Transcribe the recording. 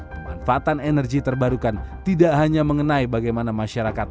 pemanfaatan energi terbarukan tidak hanya mengenai bagaimana masyarakat